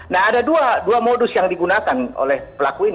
nah ada dua modus yang digunakan oleh pelaku ini